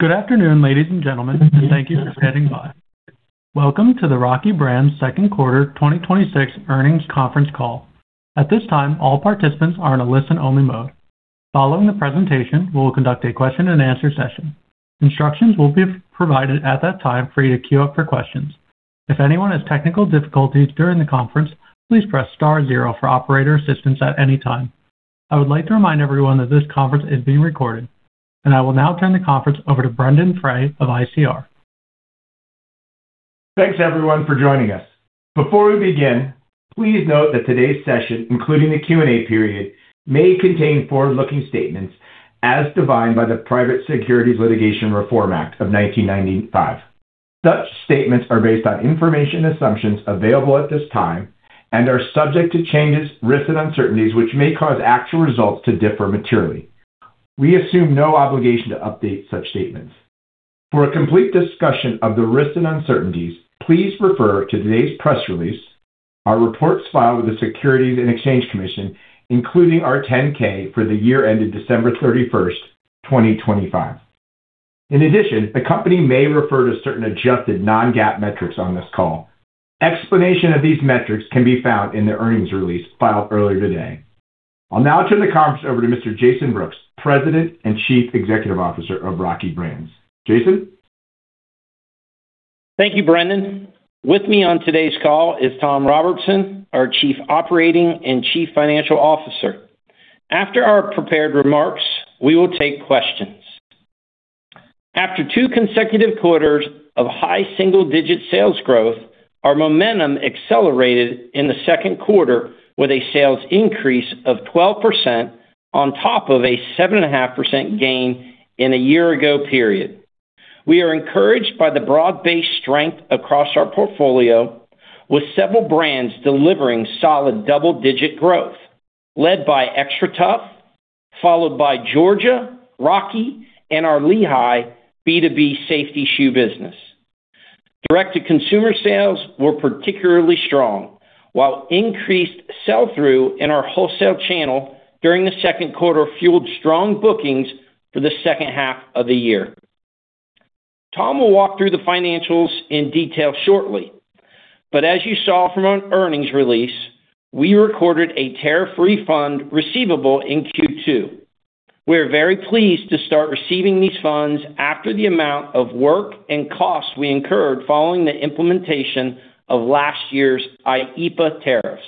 Good afternoon, ladies and gentlemen. Thank you for standing by. Welcome to the Rocky Brands Second Quarter 2026 Earnings Conference Call. At this time, all participants are in a listen-only mode. Following the presentation, we will conduct a question and answer session. Instructions will be provided at that time for you to queue up for questions. If anyone has technical difficulties during the conference, please press star zero for operator assistance at any time. I would like to remind everyone that this conference is being recorded, and I will now turn the conference over to Brendon Frey of ICR. Thanks everyone for joining us. Before we begin, please note that today's session, including the Q&A period, may contain forward-looking statements as defined by the Private Securities Litigation Reform Act of 1995. Such statements are based on information assumptions available at this time and are subject to changes, risks, and uncertainties which may cause actual results to differ materially. We assume no obligation to update such statements. For a complete discussion of the risks and uncertainties, please refer to today's press release, our reports filed with the Securities and Exchange Commission, including our 10-K for the year ended December 31st, 2025. In addition, the company may refer to certain adjusted non-GAAP metrics on this call. Explanation of these metrics can be found in the earnings release filed earlier today. I'll now turn the conference over to Mr. Jason Brooks, President and Chief Executive Officer of Rocky Brands. Jason? Thank you, Brendon. With me on today's call is Tom Robertson, our Chief Operating and Chief Financial Officer. After our prepared remarks, we will take questions. After two consecutive quarters of high single-digit sales growth, our momentum accelerated in the second quarter with a sales increase of 12% on top of a 7.5% gain in a year-ago period. We are encouraged by the broad-based strength across our portfolio, with several brands delivering solid double-digit growth, led by XTRATUF, followed by Georgia, Rocky, and our Lehigh B2B safety shoe business. Direct-to-consumer sales were particularly strong, while increased sell-through in our wholesale channel during the second quarter fueled strong bookings for the second half of the year. Tom will walk through the financials in detail shortly, but as you saw from our earnings release, we recorded a tariff refund receivable in Q2. We are very pleased to start receiving these funds after the amount of work and costs we incurred following the implementation of last year's IEEPA tariffs.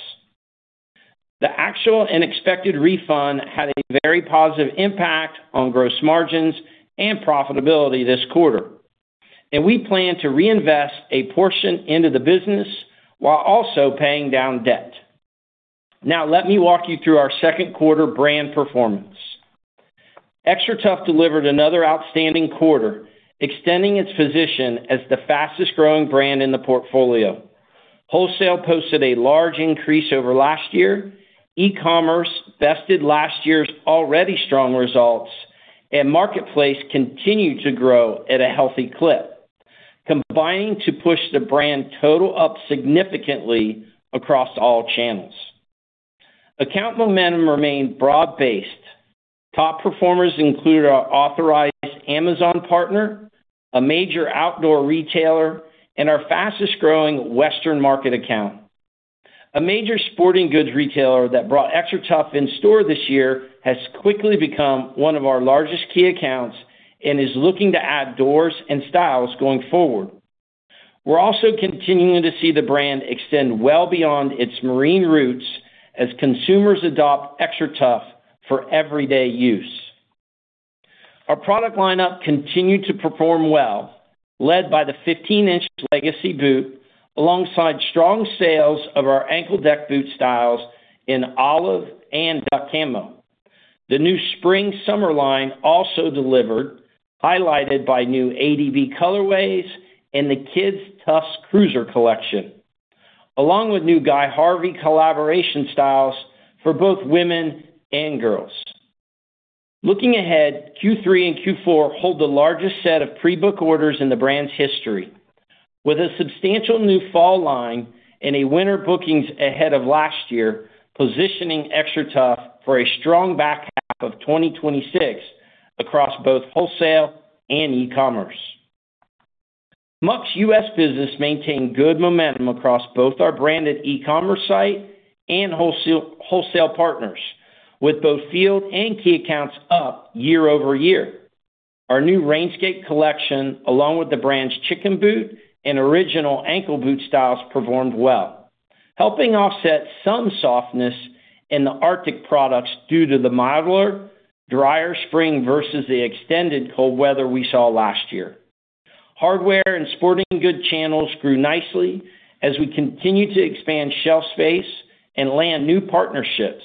The actual and expected refund had a very positive impact on gross margins and profitability this quarter. We plan to reinvest a portion into the business while also paying down debt. Now, let me walk you through our second quarter brand performance. XTRATUF delivered another outstanding quarter, extending its position as the fastest growing brand in the portfolio. Wholesale posted a large increase over last year, e-commerce bested last year's already strong results, and marketplace continued to grow at a healthy clip, combining to push the brand total up significantly across all channels. Account momentum remained broad-based. Top performers included our authorized Amazon partner, a major outdoor retailer, and our fastest-growing Western market account. A major sporting goods retailer that brought XTRATUF in store this year has quickly become one of our largest key accounts and is looking to add doors and styles going forward. We're also continuing to see the brand extend well beyond its marine roots as consumers adopt XTRATUF for everyday use. Our product lineup continued to perform well, led by the 15-inch Legacy boot alongside strong sales of our ankle deck boot styles in olive and duck camo. The new spring/summer line also delivered, highlighted by new ADV colorways and the Kids' Tufs Cruiser collection, along with new Guy Harvey collaboration styles for both women and girls. Looking ahead, Q3 and Q4 hold the largest set of pre-book orders in the brand's history, with a substantial new fall line and a winter bookings ahead of last year, positioning XTRATUF for a strong back half of 2026 across both wholesale and e-commerce. Muck's U.S. business maintained good momentum across both our branded e-commerce site and wholesale partners, with both field and key accounts up year-over-year. Our new Rainscape collection, along with the brand's Chicken Boot and original ankle boot styles performed well, helping offset some softness in the Arctic products due to the milder, drier spring versus the extended cold weather we saw last year. Hardware and sporting good channels grew nicely as we continue to expand shelf space and land new partnerships.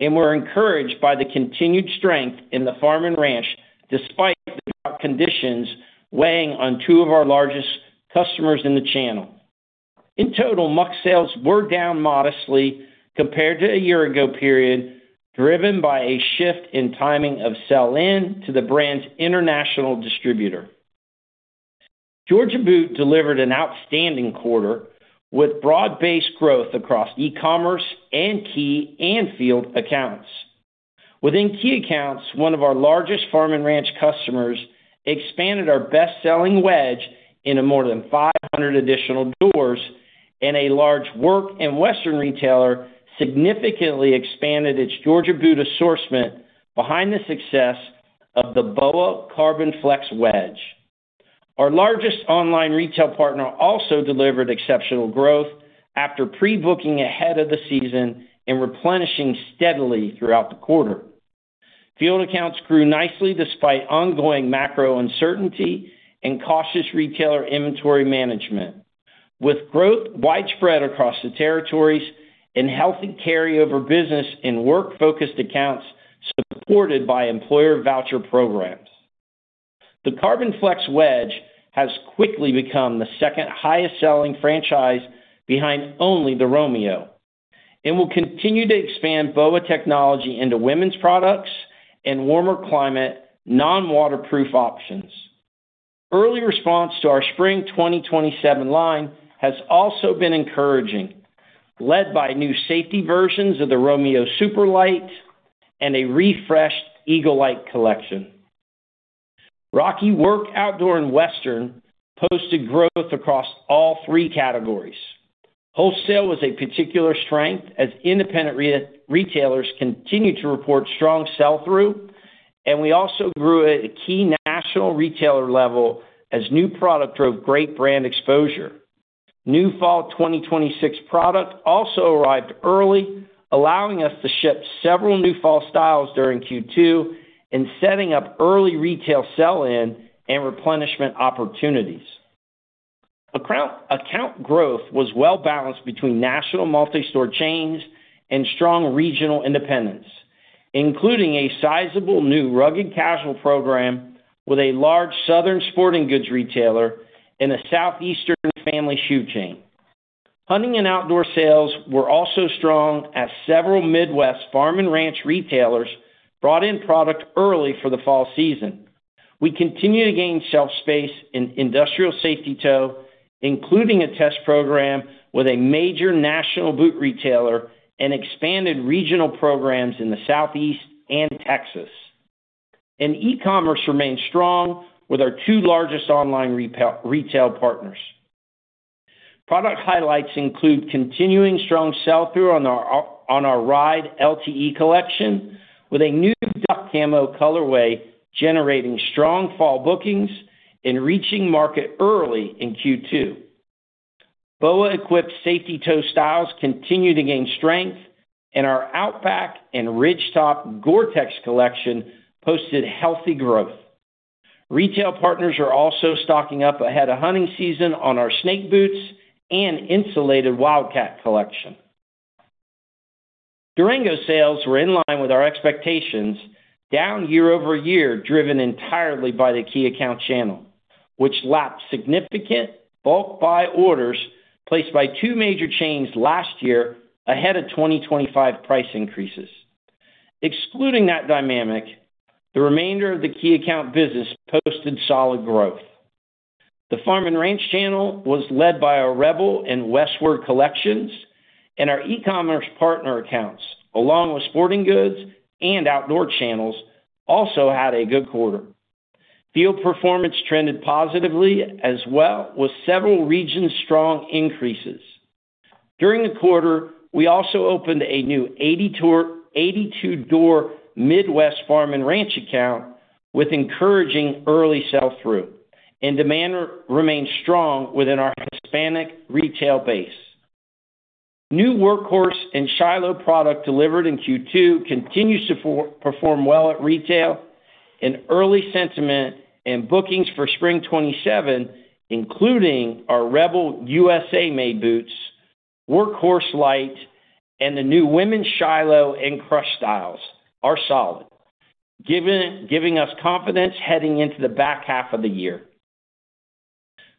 We're encouraged by the continued strength in the farm and ranch, despite the drought conditions weighing on two of our largest customers in the channel. In total, Muck sales were down modestly compared to a year-ago period, driven by a shift in timing of sell-in to the brand's international distributor. Georgia Boot delivered an outstanding quarter with broad-based growth across e-commerce and key and field accounts. Within key accounts, one of our largest farm and ranch customers expanded our best-selling wedge into more than 500 additional doors, and a large work and western retailer significantly expanded its Georgia Boot assortment behind the success of the BOA Carbon Flex wedge. Our largest online retail partner also delivered exceptional growth after pre-booking ahead of the season and replenishing steadily throughout the quarter. Field accounts grew nicely despite ongoing macro uncertainty and cautious retailer inventory management, with growth widespread across the territories and healthy carryover business in work-focused accounts supported by employer voucher programs. The Carbon Flex wedge has quickly become the second highest selling franchise behind only the Romeo and will continue to expand BOA technology into women's products and warmer climate non-waterproof options. Early response to our spring 2027 line has also been encouraging, led by new safety versions of the Romeo SuperLyte and a refreshed Eagle Lite collection. Rocky Work, Outdoor, and Western posted growth across all three categories. Wholesale was a particular strength as independent retailers continued to report strong sell-through. We also grew at a key national retailer level as new product drove great brand exposure. New fall 2026 product also arrived early, allowing us to ship several new fall styles during Q2 and setting up early retail sell-in and replenishment opportunities. Account growth was well-balanced between national multi-store chains and strong regional independents, including a sizable new rugged casual program with a large Southern sporting goods retailer and a Southeastern family shoe chain. Hunting and outdoor sales were also strong as several Midwest farm and ranch retailers brought in product early for the fall season. We continue to gain shelf space in industrial safety toe, including a test program with a major national boot retailer and expanded regional programs in the Southeast and Texas. E-commerce remains strong with our two largest online retail partners. Product highlights include continuing strong sell-through on our Ride LTE collection with a new duck camo colorway generating strong fall bookings and reaching market early in Q2. BOA-equipped safety toe styles continue to gain strength. Our Outback and Ridgetop GORE-TEX collection posted healthy growth. Retail partners are also stocking up ahead of hunting season on our snake boots and insulated Wildcat collection. Durango sales were in line with our expectations, down year-over-year, driven entirely by the key account channel, which lapped significant bulk buy orders placed by two major chains last year ahead of 2025 price increases. Excluding that dynamic, the remainder of the key account business posted solid growth. The farm and ranch channel was led by our Rebel and Westward Collections. Our e-commerce partner accounts, along with sporting goods and outdoor channels, also had a good quarter. Field performance trended positively as well, with several regions strong increases. During the quarter, we also opened a new 82-door Midwest farm and ranch account with encouraging early sell-through. Demand remains strong within our Hispanic retail base. New Workhorse and Shyloh product delivered in Q2 continues to perform well at retail. Early sentiment and bookings for spring 2027, including our Rebel USA-made boots, Workhorse Lite, and the new women's Shyloh and Crush styles are solid, giving us confidence heading into the back half of the year.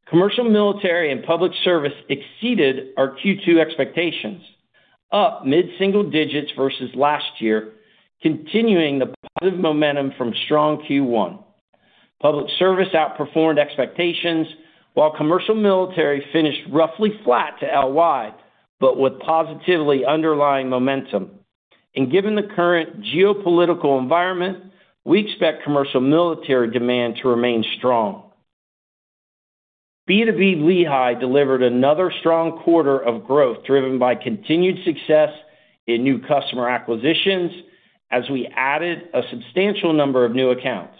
Commercial, military, and public service exceeded our Q2 expectations, up mid-single digits versus last year, continuing the positive momentum from strong Q1. Public service outperformed expectations, while commercial military finished roughly flat to LY, but with positively underlying momentum. Given the current geopolitical environment, we expect commercial military demand to remain strong. B2B Lehigh delivered another strong quarter of growth driven by continued success in new customer acquisitions as we added a substantial number of new accounts.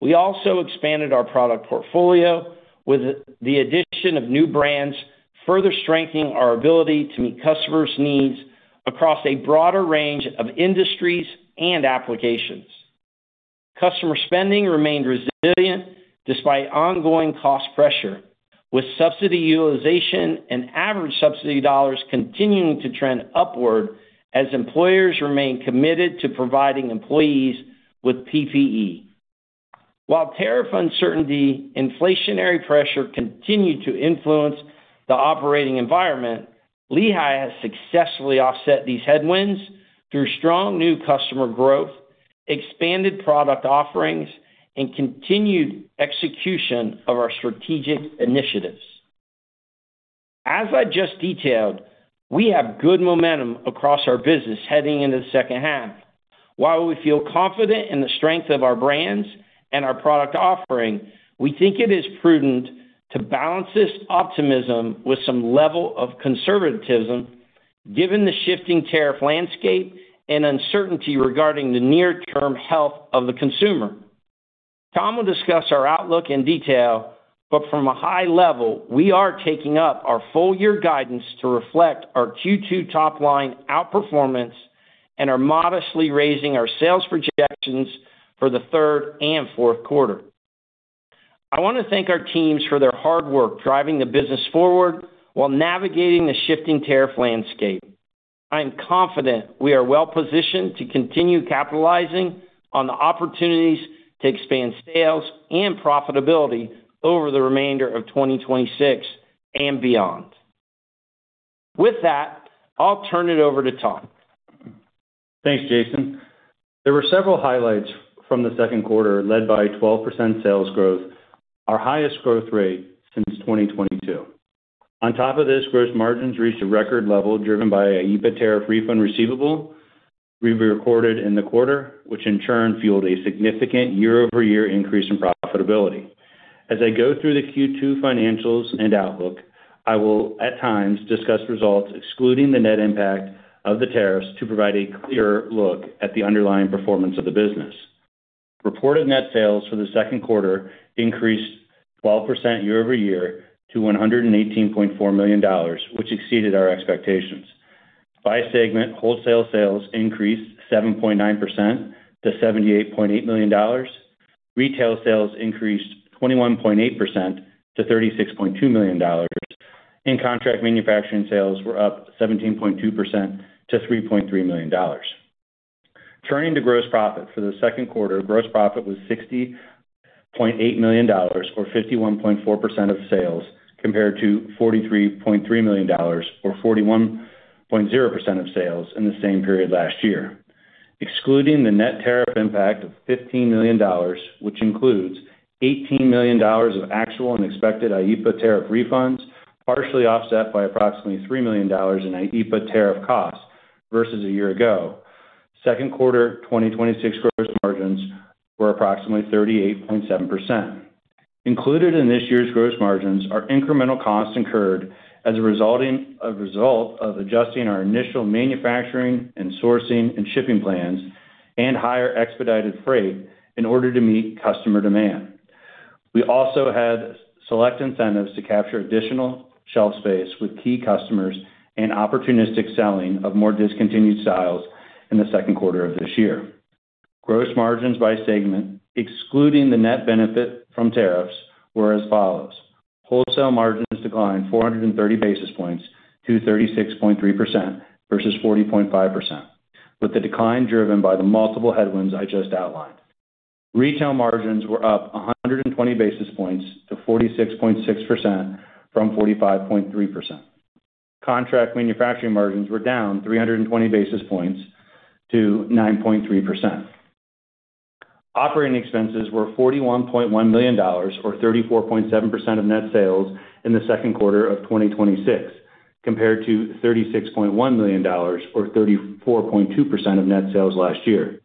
We also expanded our product portfolio with the addition of new brands, further strengthening our ability to meet customers' needs across a broader range of industries and applications. Customer spending remained resilient despite ongoing cost pressure, with subsidy utilization and average subsidy dollars continuing to trend upward as employers remain committed to providing employees with PPE. While tariff uncertainty inflationary pressure continued to influence the operating environment, Lehigh has successfully offset these headwinds through strong new customer growth, expanded product offerings, and continued execution of our strategic initiatives. As I just detailed, we have good momentum across our business heading into the second half. While we feel confident in the strength of our brands and our product offering, we think it is prudent to balance this optimism with some level of conservatism, given the shifting tariff landscape and uncertainty regarding the near-term health of the consumer. Tom will discuss our outlook in detail, but from a high level, we are taking up our full year guidance to reflect our Q2 top line outperformance and are modestly raising our sales projections for the third and fourth quarter. I want to thank our teams for their hard work driving the business forward while navigating the shifting tariff landscape. I am confident we are well-positioned to continue capitalizing on the opportunities to expand sales and profitability over the remainder of 2026 and beyond. With that, I'll turn it over to Tom. Thanks, Jason. There were several highlights from the second quarter, led by 12% sales growth, our highest growth rate since 2022. On top of this, gross margins reached a record level, driven by a IEEPA tariff refund receivable we recorded in the quarter, which in turn fueled a significant year-over-year increase in profitability. As I go through the Q2 financials and outlook, I will, at times, discuss results excluding the net impact of the tariffs to provide a clearer look at the underlying performance of the business. Reported net sales for the second quarter increased 12% year-over-year to $118.4 million, which exceeded our expectations. By segment, wholesale sales increased 7.9% to $78.8 million, retail sales increased 21.8% to $36.2 million, and contract manufacturing sales were up 17.2% to $3.3 million. Turning to gross profit for the second quarter, gross profit was $60.8 million, or 51.4% of sales, compared to $43.3 million, or 41.0% of sales in the same period last year. Excluding the net tariff impact of $15 million, which includes $18 million of actual and expected IEEPA tariff refunds, partially offset by approximately $3 million in IEEPA tariff costs versus a year ago. Second quarter 2026 gross margins were approximately 38.7%. Included in this year's gross margins are incremental costs incurred as a result of adjusting our initial manufacturing and sourcing and shipping plans, and higher expedited freight in order to meet customer demand. We also had select incentives to capture additional shelf space with key customers and opportunistic selling of more discontinued styles in the second quarter of this year. Gross margins by segment, excluding the net benefit from tariffs, were as follows: wholesale margins declined 430 basis points to 36.3% versus 40.5%, with the decline driven by the multiple headwinds I just outlined. Retail margins were up 120 basis points to 46.6% from 45.3%. Contract manufacturing margins were down 320 basis points to 9.3%. Operating expenses were $41.1 million, or 34.7% of net sales in the second quarter of 2026, compared to $36.1 million or 34.2% of net sales last year.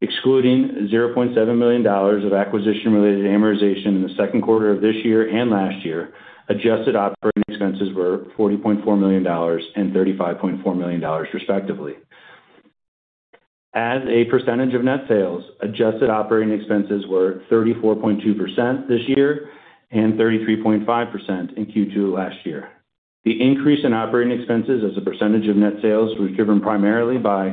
Excluding $0.7 million of acquisition-related amortization in the second quarter of this year and last year, adjusted operating expenses were $40.4 million and $35.4 million respectively. As a percentage of net sales, adjusted operating expenses were 34.2% this year and 33.5% in Q2 last year. The increase in operating expenses as a percentage of net sales was driven primarily by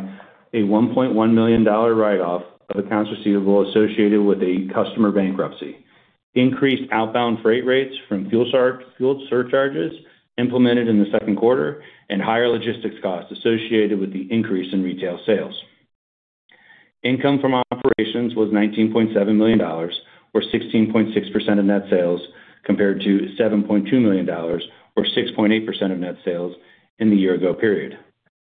a $1.1 million write-off of accounts receivable associated with a customer bankruptcy, increased outbound freight rates from fuel surcharges implemented in the second quarter, and higher logistics costs associated with the increase in retail sales. Income from operations was $19.7 million, or 16.6% of net sales, compared to $7.2 million, or 6.8% of net sales in the year ago period.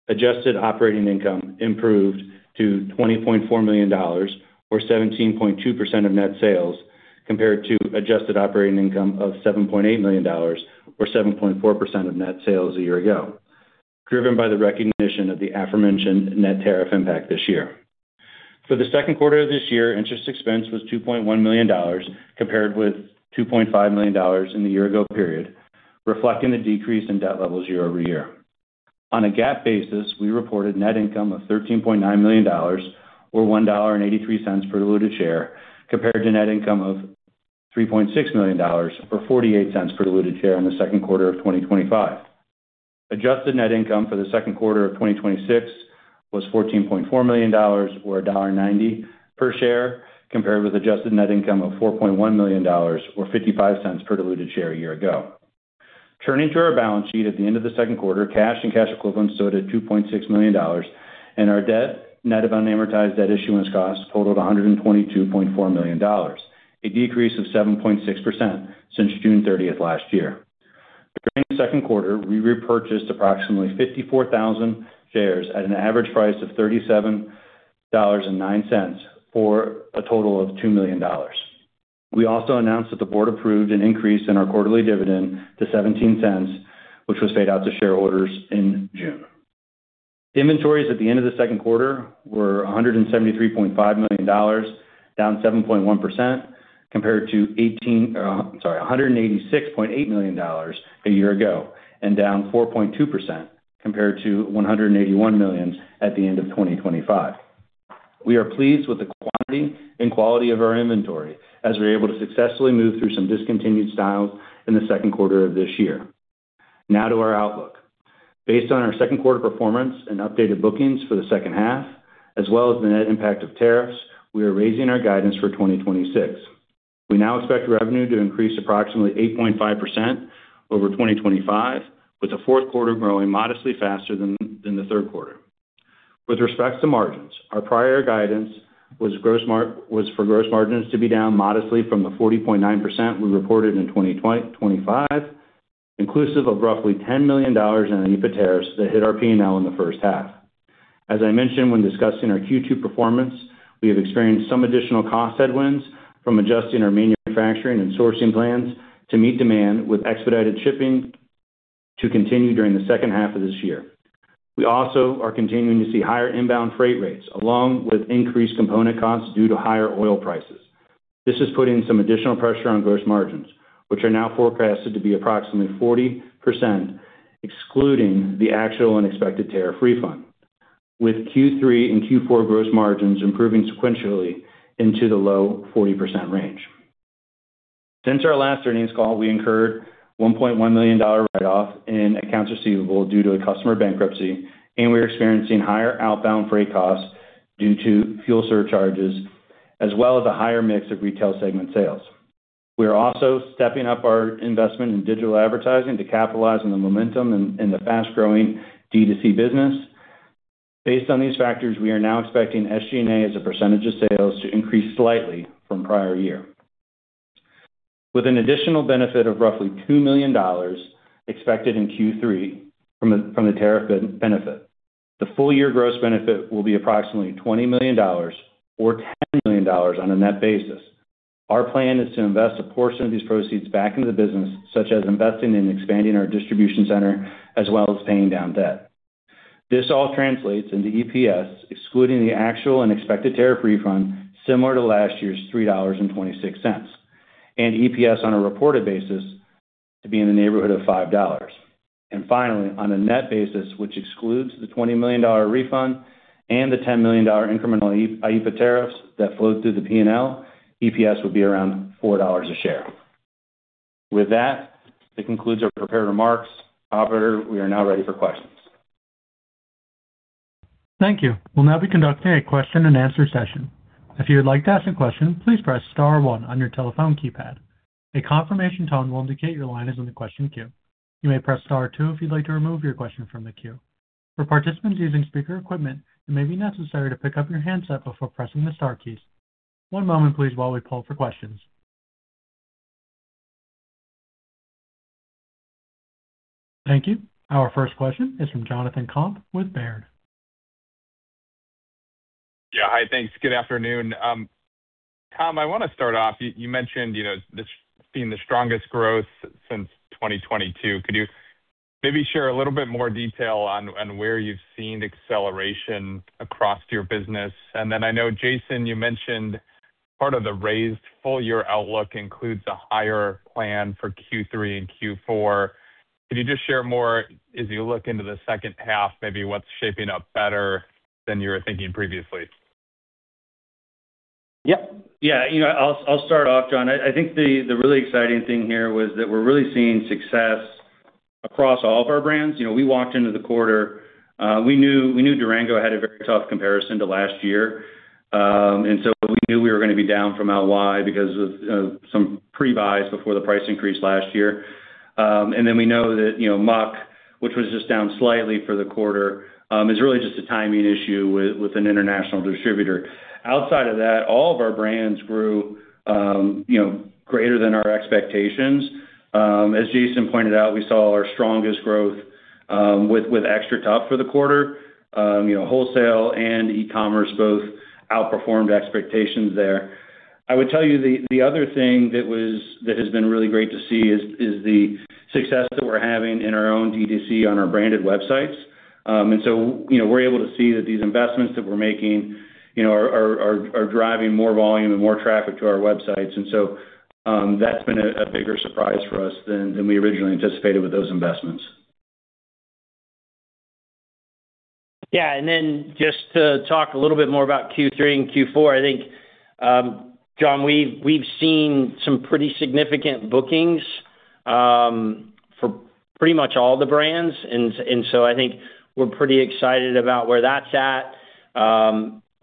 Adjusted operating income improved to $20.4 million, or 17.2% of net sales, compared to adjusted operating income of $7.8 million, or 7.4% of net sales a year ago, driven by the recognition of the aforementioned net tariff impact this year. For the second quarter of this year, interest expense was $2.1 million, compared with $2.5 million in the year ago period, reflecting the decrease in debt levels year-over-year. On a GAAP basis, we reported net income of $13.9 million, or $1.83 per diluted share, compared to net income of $3.6 million or $0.48 per diluted share in the second quarter of 2025. Adjusted net income for the second quarter of 2026 was $14.4 million or $1.90 per share, compared with adjusted net income of $4.1 million or $0.55 per diluted share a year ago. Turning to our balance sheet, at the end of the second quarter, cash and cash equivalents stood at $2.6 million, and our debt net of unamortized debt issuance costs totaled $122.4 million, a decrease of 7.6% since June 30th last year. During the second quarter, we repurchased approximately 54,000 shares at an average price of $37.09, for a total of $2 million. We also announced that the board approved an increase in our quarterly dividend to $0.17, which was paid out to shareholders in June. Inventories at the end of the second quarter were $173.5 million, down 7.1%, compared to $186.8 million a year ago, and down 4.2% compared to $181 million at the end of 2025. We are pleased with the quantity and quality of our inventory as we were able to successfully move through some discontinued styles in the second quarter of this year. Now to our outlook. Based on our second quarter performance and updated bookings for the second half, as well as the net impact of tariffs, we are raising our guidance for 2026. We now expect revenue to increase approximately 8.5% over 2025, with the fourth quarter growing modestly faster than the third quarter. With respect to margins, our prior guidance was for gross margins to be down modestly from the 40.9% we reported in 2025, inclusive of roughly $10 million in IEEPA tariffs that hit our P&L in the first half. As I mentioned when discussing our Q2 performance, we have experienced some additional cost headwinds from adjusting our manufacturing and sourcing plans to meet demand with expedited shipping to continue during the second half of this year. We also are continuing to see higher inbound freight rates, along with increased component costs due to higher oil prices. This is putting some additional pressure on gross margins, which are now forecasted to be approximately 40%, excluding the actual and expected tariff refund, with Q3 and Q4 gross margins improving sequentially into the low 40% range. Since our last earnings call, we incurred $1.1 million write-off in accounts receivable due to a customer bankruptcy, and we are experiencing higher outbound freight costs due to fuel surcharges, as well as a higher mix of retail segment sales. We are also stepping up our investment in digital advertising to capitalize on the momentum in the fast-growing D2C business. Based on these factors, we are now expecting SG&A as a percentage of sales to increase slightly from prior year. With an additional benefit of roughly $2 million expected in Q3 from the tariff benefit. The full year gross benefit will be approximately $20 million, or $10 million on a net basis. Our plan is to invest a portion of these proceeds back into the business, such as investing in expanding our distribution center, as well as paying down debt. This all translates into EPS, excluding the actual and expected tariff refund, similar to last year's $3.26. EPS on a reported basis to be in the neighborhood of $5. Finally, on a net basis, which excludes the $20 million refund and the $10 million incremental IEEPA tariffs that flowed through the P&L, EPS will be around $4 a share. With that concludes our prepared remarks. Operator, we are now ready for questions. Thank you. We will now be conducting a question and answer session. If you would like to ask a question, please press star one on your telephone keypad. A confirmation tone will indicate your line is in the question queue. You may press star two if you would like to remove your question from the queue. For participants using speaker equipment, it may be necessary to pick up your handset before pressing the star keys. One moment please while we pull for questions. Thank you. Our first question is from Jonathan Komp with Baird. Yeah. Hi, thanks. Good afternoon. Tom, I want to start off, you mentioned seeing the strongest growth since 2022. Could you maybe share a little bit more detail on where you've seen acceleration across your business? I know, Jason, you mentioned part of the raised full year outlook includes a higher plan for Q3 and Q4. Could you just share more as you look into the second half, maybe what's shaping up better than you were thinking previously? I'll start off, Jon. I think the really exciting thing here was that we're really seeing success across all of our brands. We walked into the quarter. We knew Durango had a very tough comparison to last year. We knew we were going to be down from LY because of some pre-buys before the price increase last year. We know that Muck, which was just down slightly for the quarter, is really just a timing issue with an international distributor. Outside of that, all of our brands grew greater than our expectations. As Jason pointed out, we saw our strongest growth with XTRATUF for the quarter. Wholesale and e-commerce both outperformed expectations there. I would tell you the other thing that has been really great to see is the success that we're having in our own D2C on our branded websites. We're able to see that these investments that we're making are driving more volume and more traffic to our websites. That's been a bigger surprise for us than we originally anticipated with those investments. Just to talk a little bit more about Q3 and Q4, I think, Jon, we've seen some pretty significant bookings for pretty much all the brands. I think we're pretty excited about where that's at.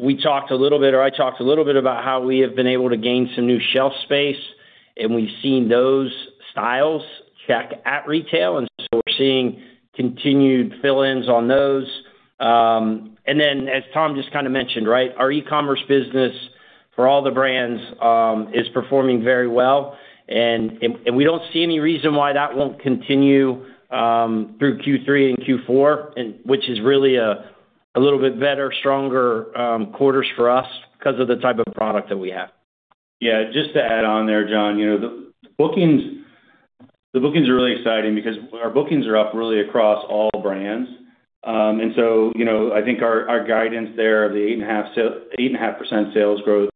We talked a little bit, or I talked a little bit about how we have been able to gain some new shelf space, and we've seen those styles check at retail, and so we're seeing continued fill-ins on those. As Tom just kind of mentioned, right? Our e-commerce business for all the brands, is performing very well, and we don't see any reason why that won't continue through Q3 and Q4, which is really a little bit better, stronger quarters for us because of the type of product that we have. Just to add on there, Jon, the bookings are really exciting because our bookings are up really across all brands. I think our guidance there of the 8.5% sales growth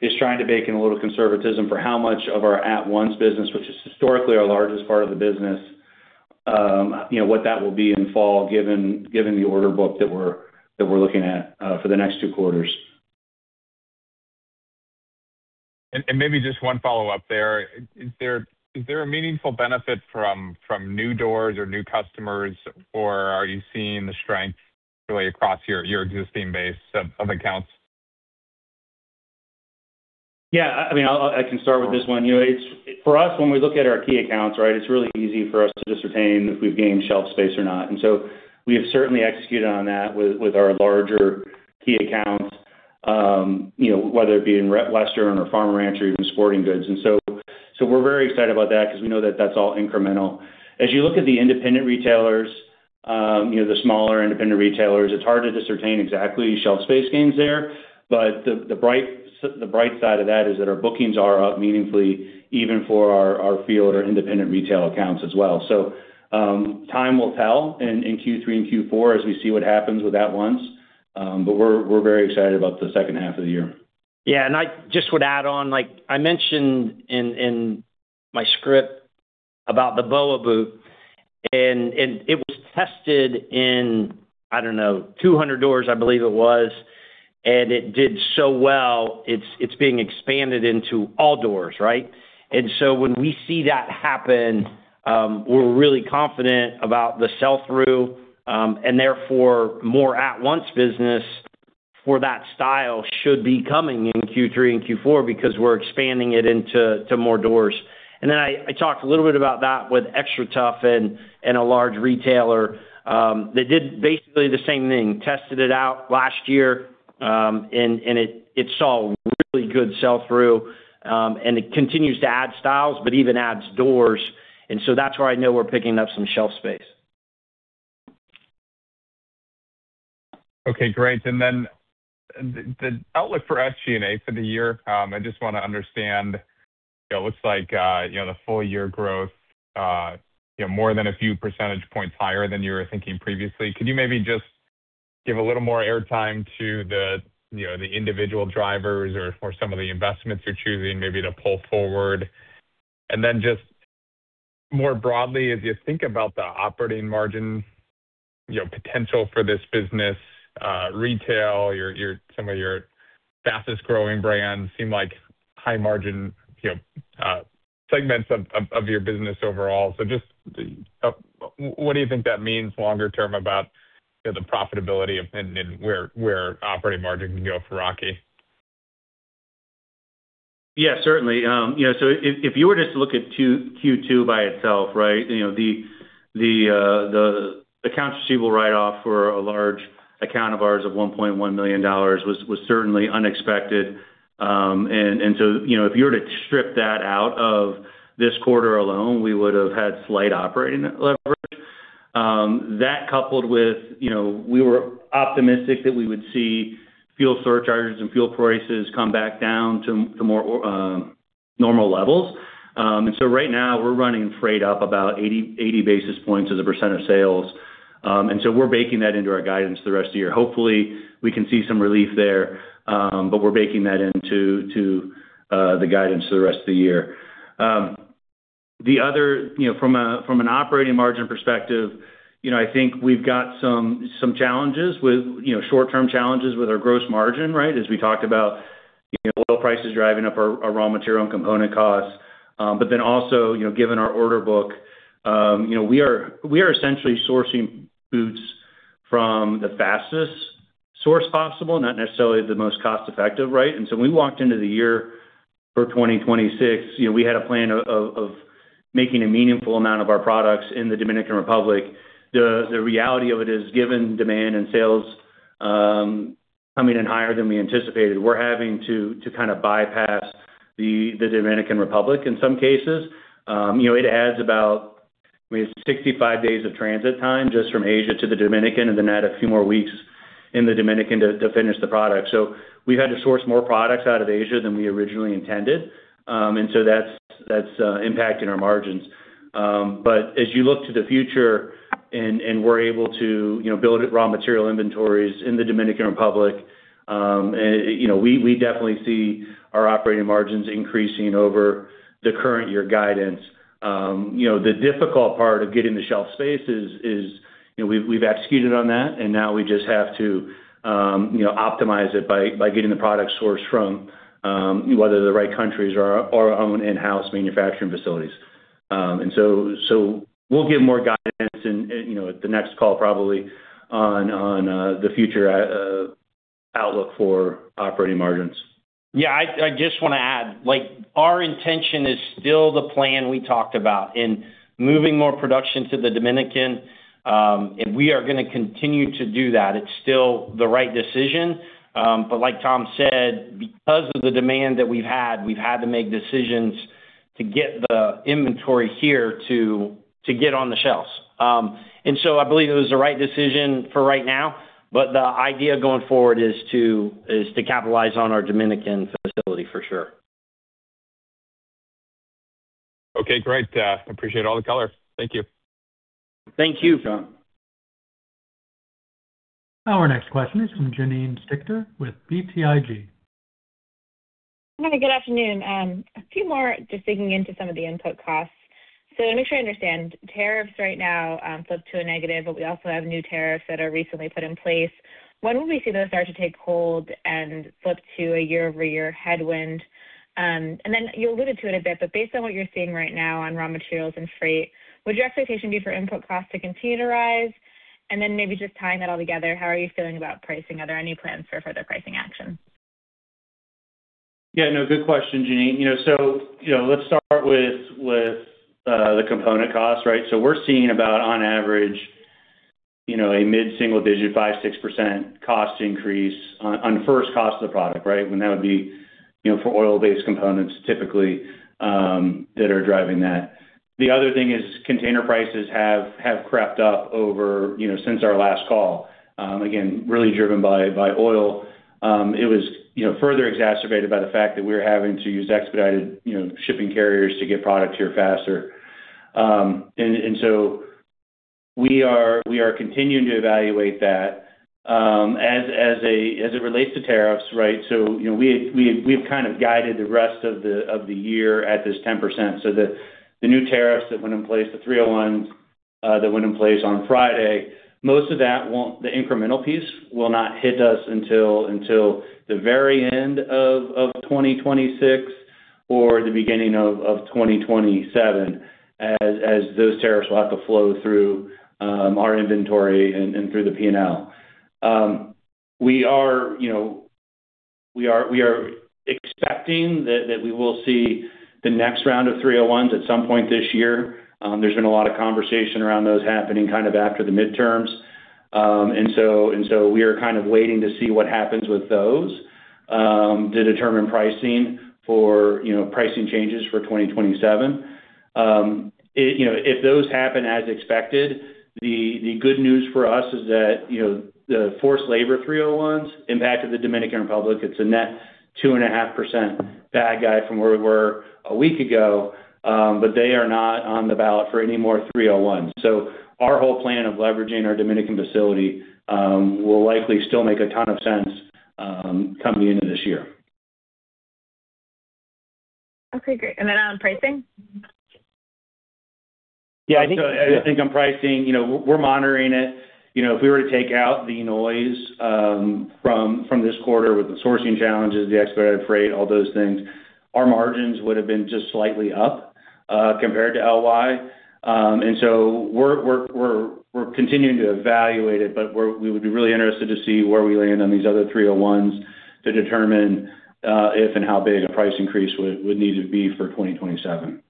is trying to bake in a little conservatism for how much of our at-once business, which is historically our largest part of the business, what that will be in fall, given the order book that we're looking at for the next two quarters. Maybe just one follow-up there. Is there a meaningful benefit from new doors or new customers, or are you seeing the strength really across your existing base of accounts? Yeah, I can start with this one. For us, when we look at our key accounts, it's really easy for us to ascertain if we've gained shelf space or not. We have certainly executed on that with our larger key accounts, whether it be in Western or Farm & Ranch or even Sporting Goods. We're very excited about that because we know that's all incremental. As you look at the independent retailers, the smaller independent retailers, it's harder to ascertain exactly shelf space gains there. The bright side of that is that our bookings are up meaningfully even for our field or independent retail accounts as well. Time will tell in Q3 and Q4 as we see what happens with at once. We're very excited about the second half of the year. Yeah, I just would add on, I mentioned in my script about the BOA boot, and it was tested in, I don't know, 200 doors, I believe it was, and it did so well, it's being expanded into all doors. Right? When we see that happen, we're really confident about the sell-through, and therefore more at-once business for that style should be coming in Q3 and Q4 because we're expanding it into more doors. I talked a little bit about that with XTRATUF and a large retailer. They did basically the same thing, tested it out last year, and it saw a really good sell-through, and it continues to add styles, but even adds doors. That's where I know we're picking up some shelf space. Okay, great. The outlook for SG&A for the year, I just want to understand. It looks like the full year growth more than a few percentage points higher than you were thinking previously. Could you maybe just give a little more airtime to the individual drivers or for some of the investments you're choosing maybe to pull forward? Just more broadly, as you think about the operating margin potential for this business, retail, some of your fastest-growing brands seem like high margin segments of your business overall. Just what do you think that means longer term about the profitability and where operating margin can go for Rocky? Yeah, certainly. If you were just to look at Q2 by itself, the accounts receivable write-off for a large account of ours of $1.1 million was certainly unexpected. If you were to strip that out of this quarter alone, we would have had slight operating leverage. That coupled with we were optimistic that we would see fuel surcharges and fuel prices come back down to more normal levels. Right now we're running freight up about 80 basis points as a percent of sales. We're baking that into our guidance the rest of the year. Hopefully, we can see some relief there, but we're baking that into the guidance for the rest of the year. From an operating margin perspective, I think we've got some short-term challenges with our gross margin. As we talked about oil prices driving up our raw material and component costs. Also, given our order book, we are essentially sourcing boots from the fastest source possible, not necessarily the most cost-effective, right? We walked into the year for 2026, we had a plan of making a meaningful amount of our products in the Dominican Republic. The reality of it is, given demand and sales coming in higher than we anticipated, we're having to kind of bypass the Dominican Republic in some cases. It adds about 65 days of transit time just from Asia to the Dominican, and then add a few more weeks in the Dominican to finish the product. We've had to source more products out of Asia than we originally intended. That's impacting our margins. As you look to the future and we're able to build raw material inventories in the Dominican Republic, we definitely see our operating margins increasing over the current year guidance. The difficult part of getting the shelf space is we've executed on that, and now we just have to optimize it by getting the product sourced from whether the right countries or our own in-house manufacturing facilities. We'll give more guidance at the next call probably on the future outlook for operating margins. Yeah, I just want to add, our intention is still the plan we talked about in moving more production to the Dominican. We are going to continue to do that. It's still the right decision. Like Tom said, because of the demand that we've had, we've had to make decisions to get the inventory here to get on the shelves. I believe it was the right decision for right now, but the idea going forward is to capitalize on our Dominican facility for sure. Okay, great. Appreciate all the color. Thank you. Thank you, Jon. Our next question is from Janine Stichter with BTIG. Hi, good afternoon. A few more just digging into some of the input costs. Make sure I understand, tariffs right now flip to a negative, but we also have new tariffs that are recently put in place. When will we see those start to take hold and flip to a year-over-year headwind? You alluded to it a bit, but based on what you're seeing right now on raw materials and freight, would your expectation be for input costs to continue to rise? Maybe just tying that all together, how are you feeling about pricing? Are there any plans for further pricing action? Good question, Janine. Let's start with the component cost, right? We're seeing about, on average, a mid-single digit 5%-6% cost increase on first cost of the product, right? That would be for oil-based components typically that are driving that. The other thing is container prices have crept up since our last call. Again, really driven by oil. It was further exacerbated by the fact that we're having to use expedited shipping carriers to get product here faster. We are continuing to evaluate that. As it relates to tariffs, right? We've kind of guided the rest of the year at this 10%. The new tariffs that went in place, the 301s that went in place on Friday, most of that, the incremental piece will not hit us until the very end of 2026 or the beginning of 2027, as those tariffs will have to flow through our inventory and through the P&L. We are expecting that we will see the next round of 301s at some point this year. There's been a lot of conversation around those happening kind of after the midterms. We are kind of waiting to see what happens with those to determine pricing for pricing changes for 2027. If those happen as expected, the good news for us is that the forced labor 301s impact of the Dominican Republic, it's a net 2.5% bad guy from where we were a week ago. They are not on the ballot for any more 301s. Our whole plan of leveraging our Dominican facility will likely still make a ton of sense coming into this year. Great. Then on pricing? I think on pricing, we're monitoring it. If we were to take out the noise from this quarter with the sourcing challenges, the expedited freight, all those things, our margins would've been just slightly up compared to LY. We're continuing to evaluate it, but we would be really interested to see where we land on these other 301s to determine if and how big a price increase would need to be for 2027.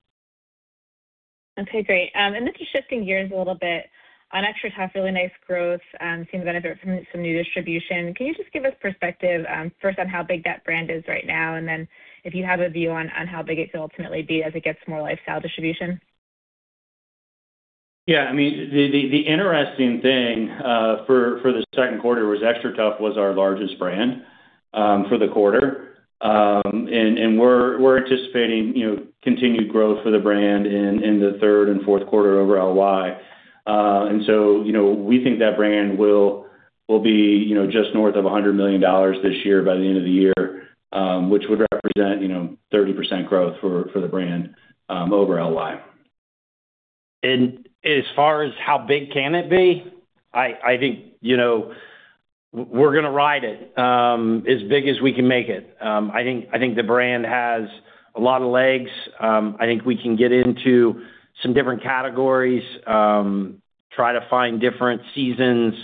Okay great. This is shifting gears a little bit. On XTRATUF, really nice growth. Seems to benefit from some new distribution. Can you just give us perspective first on how big that brand is right now, and then if you have a view on how big it could ultimately be as it gets more lifestyle distribution? The interesting thing for the second quarter was XTRATUF was our largest brand for the quarter. We're anticipating continued growth for the brand in the third and fourth quarter over LY. We think that brand will be just north of $100 million this year by the end of the year, which would represent 30% growth for the brand over LY. As far as how big can it be, I think we're going to ride it as big as we can make it. I think the brand has a lot of legs. I think we can get into some different categories, try to find different seasons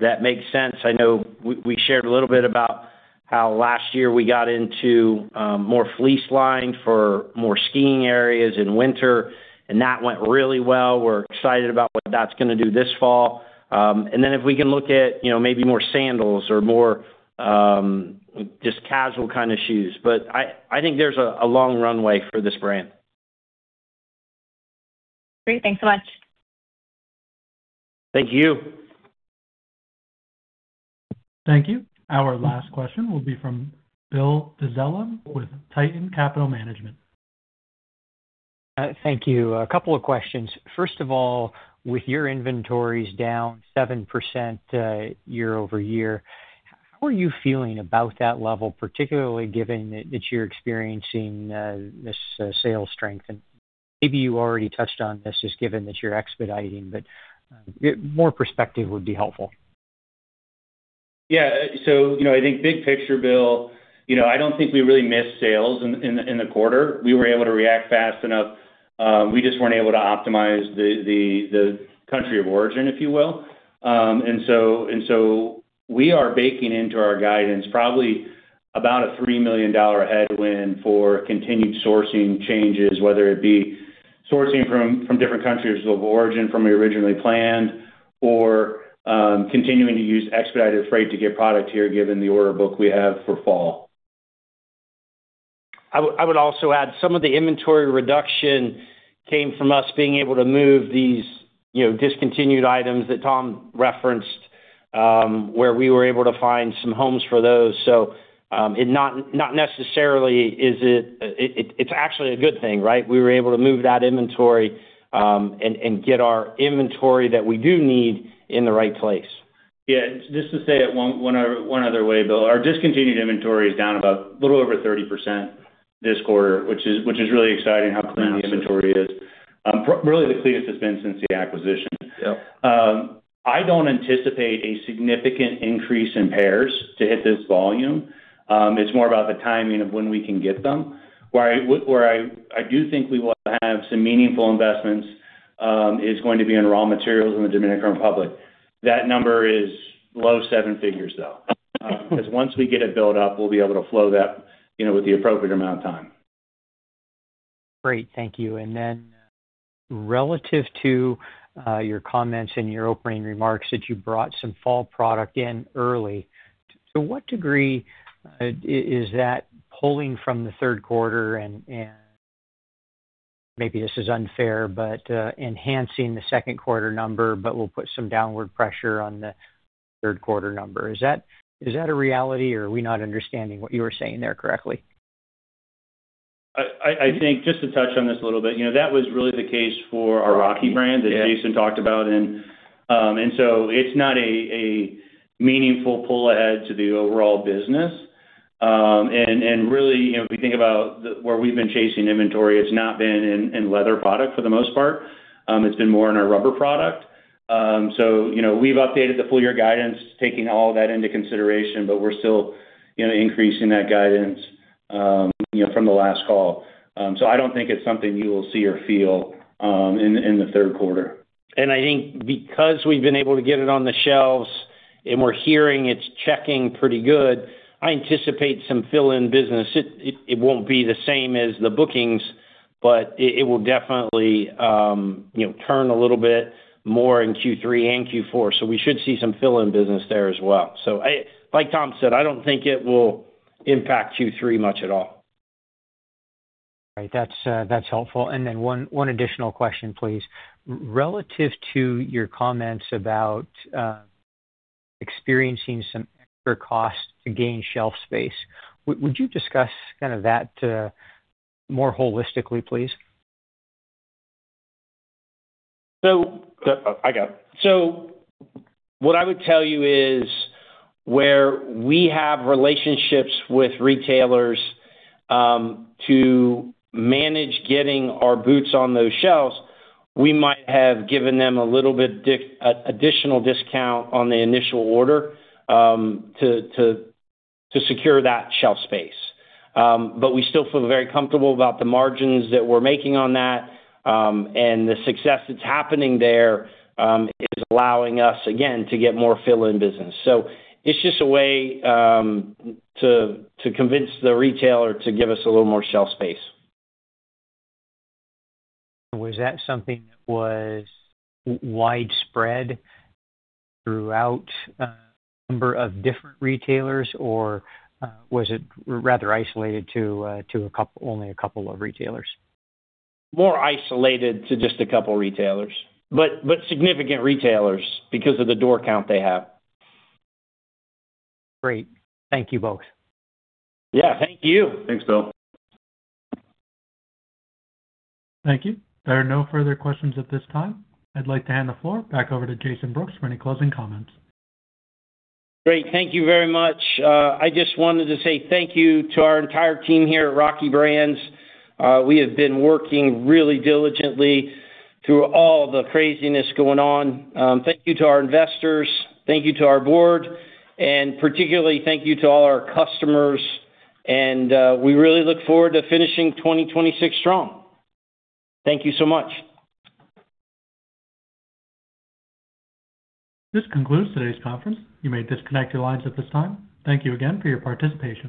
that make sense. I know we shared a little bit about how last year we got into more fleece lined for more skiing areas in winter, and that went really well. We're excited about what that's going to do this fall. If we can look at maybe more sandals or more just casual kind of shoes. I think there's a long runway for this brand. Great. Thanks so much. Thank you. Thank you. Our last question will be from Bill Dezellem with Tieton Capital Management. Thank you. A couple of questions. First of all, with your inventories down 7% year-over-year, how are you feeling about that level, particularly given that you're experiencing this sales strength? Maybe you already touched on this, just given that you're expediting, but more perspective would be helpful. Yeah. I think big picture, Bill, I don't think we really missed sales in the quarter. We were able to react fast enough. We just weren't able to optimize the country of origin, if you will. We are baking into our guidance probably about a $3 million headwind for continued sourcing changes, whether it be sourcing from different countries of origin from we originally planned or continuing to use expedited freight to get product here, given the order book we have for fall. I would also add some of the inventory reduction came from us being able to move these discontinued items that Tom referenced, where we were able to find some homes for those. It's actually a good thing, right? We were able to move that inventory, and get our inventory that we do need in the right place. Yeah. Just to say it one other way, Bill, our discontinued inventory is down about a little over 30% this quarter, which is really exciting how clean the inventory is. Really the cleanest it's been since the acquisition. Yep. I don't anticipate a significant increase in pairs to hit this volume. It's more about the timing of when we can get them. Where I do think we will have some meaningful investments, is going to be in raw materials in the Dominican Republic. That number is below seven figures, though. Because once we get it built up, we'll be able to flow that with the appropriate amount of time. Great thank you. Relative to your comments and your opening remarks that you brought some fall product in early, to what degree is that pulling from the third quarter and, maybe this is unfair, but enhancing the second quarter number, but will put some downward pressure on the third quarter number? Is that a reality or are we not understanding what you were saying there correctly? I think just to touch on this a little bit, that was really the case for our Rocky brand that Jason talked about, it's not a meaningful pull ahead to the overall business. Really, if we think about where we've been chasing inventory, it's not been in leather product for the most part. It's been more in our rubber product. We've updated the full year guidance, taking all that into consideration, but we're still increasing that guidance from the last call. I don't think it's something you will see or feel in the third quarter. I think because we've been able to get it on the shelves and we're hearing it's checking pretty good, I anticipate some fill-in business. It won't be the same as the bookings, but it will definitely turn a little bit more in Q3 and Q4. We should see some fill-in business there as well. Like Tom said, I don't think it will impact Q3 much at all. Right. That's helpful. One additional question, please. Relative to your comments about experiencing some extra cost to gain shelf space, would you discuss that more holistically, please? So--I got it. What I would tell you is where we have relationships with retailers to manage getting our boots on those shelves, we might have given them a little bit additional discount on the initial order to secure that shelf space. We still feel very comfortable about the margins that we're making on that. The success that's happening there, is allowing us again to get more fill-in business. It's just a way to convince the retailer to give us a little more shelf space. Was that something that was widespread throughout a number of different retailers, or was it rather isolated to only a couple of retailers? More isolated to just a couple retailers. Significant retailers because of the door count they have. Great. Thank you both. Yeah. Thank you. Thanks, Bill. Thank you. There are no further questions at this time. I'd like to hand the floor back over to Jason Brooks for any closing comments. Great. Thank you very much. I just wanted to say thank you to our entire team here at Rocky Brands. We have been working really diligently through all the craziness going on. Thank you to our investors, thank you to our board, and particularly thank you to all our customers, and we really look forward to finishing 2026 strong. Thank you so much. This concludes today's conference. You may disconnect your lines at this time. Thank you again for your participation.